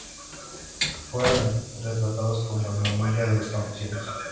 Fueron retratados como el movimiento de los campesinos.